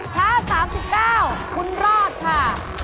ถ้า๓๙คุณรอดค่ะ